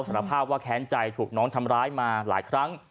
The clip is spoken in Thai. สารภาพว่าแค้นใจถูกน้องทำร้ายมาหลายครั้ง